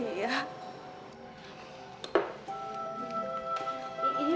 iya nanti aku akan belajar